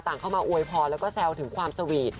เข้ามาอวยพรแล้วก็แซวถึงความสวีท